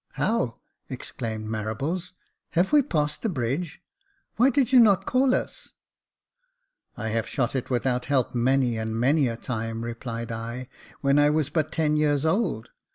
" How !" exclaimed Marables ;" have we passed the bridge ? Why did you not call us ?"" I have shot it without help many and many a time," replied I, " when I was but ten years old.